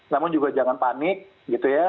namun juga jangan panik gitu ya